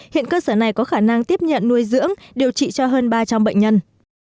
hiện cơ sở này có khả năng tiếp nhận nuôi dưỡng điều trị cho hơn ba trăm linh bệnh nhân